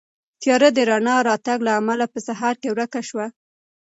تیاره د رڼا د راتګ له امله په سهار کې ورکه شوه.